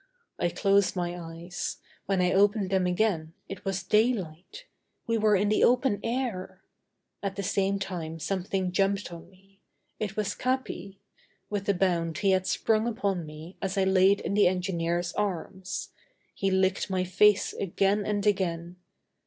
I closed my eyes; when I opened them again it was daylight! We were in the open air! At the same time something jumped on me. It was Capi. With a bound he had sprung upon me as I laid in the engineer's arms. He licked my face again and again.